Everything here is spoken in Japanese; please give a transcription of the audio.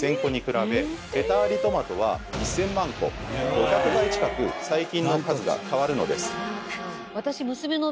５００倍近く細菌の数が変わるのです。